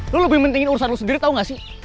lu lebih pentingin urusan lu sendiri tau gak sih